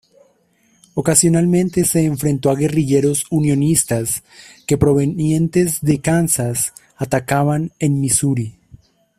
Ocasionalmente se enfrentó a guerrilleros unionistas que provenientes de Kansas atacaban en Missouri.